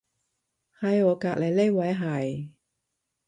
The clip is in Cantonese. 喺我隔離呢位係